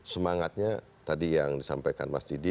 semangatnya tadi yang disampaikan mas didi